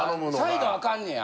サイドアカンねや。